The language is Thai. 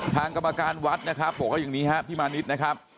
กรรมการวัดนะครับบอกว่าอย่างนี้ครับพี่มานิดนะครับ